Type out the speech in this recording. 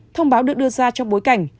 thông báo được đưa ra trong bối cảnh